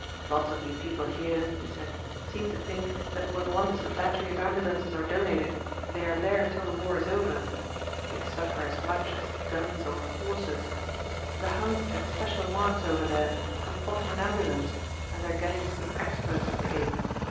"Lots of you people here," he said, "seem to think that when once a battery of ambulances are donated they are there till the war is over. They suffer as much as guns or horses. The Huns get special marks over there for potting an ambulance, and they're getting to be experts at the game.